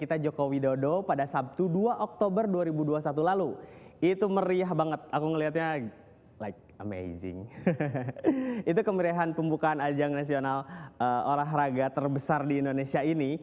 itu kemeriahan pembukaan ajang nasional olahraga terbesar di indonesia ini